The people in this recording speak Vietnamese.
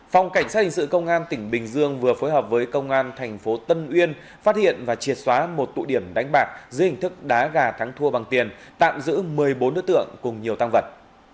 phòng cảnh sát hình sự công an tỉnh bình dương vừa phối hợp với công an thành phố tân uyên phát hiện và triệt xóa một tụ điểm đánh bạc dưới hình thức đá gà thắng thua bằng tiền tạm giữ một mươi bốn đối tượng cùng nhiều tăng vật